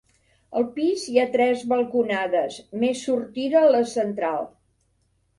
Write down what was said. Al pis hi ha tres balconades, més sortida la central.